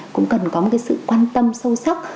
cũng cần có một cái sự quan tâm sâu sắc